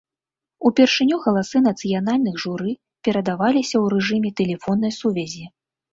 Упершыню галасы нацыянальных журы перадаваліся ў рэжыме тэлефоннай сувязі.